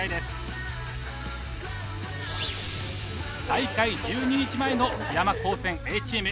大会１２日前の津山高専Ａチーム。